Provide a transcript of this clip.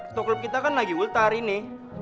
tok klub kita kan lagi ultar ini